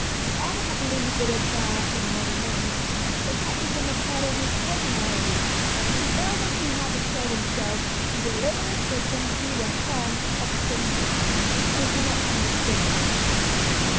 The author had lived with it now for many months it had become a part of his person ality, and he felt that he had betrayed himselt in delivering it into the hands of strangers who could not understand it.